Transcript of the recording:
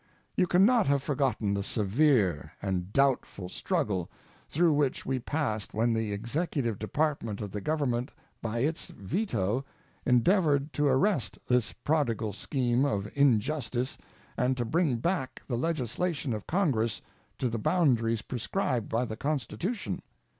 You can not have forgotten the severe and doubtful struggle through which we passed when the executive department of the Government by its veto endeavored to arrest this prodigal scheme of injustice and to bring back the legislation of Congress to the boundaries prescribed by the Constitution.